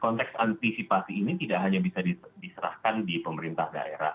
konteks antisipasi ini tidak hanya bisa diserahkan di pemerintah daerah